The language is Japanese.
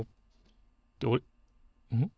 ってあれ？